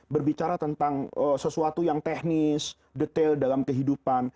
berbicara tentang sesuatu yang teknis detail dalam kehidupan